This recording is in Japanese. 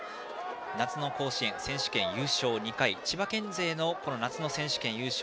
夏の甲子園、優勝２回千葉県勢の夏の選手権優勝